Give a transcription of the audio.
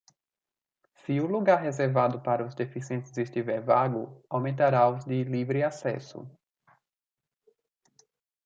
Se o lugar reservado para os deficientes estiver vago, aumentará os de livre acesso.